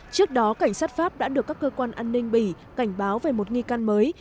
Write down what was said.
trước đó cảnh sát pháp đã được các cơ quan an ninh bỉ cảnh báo về một nghi can mới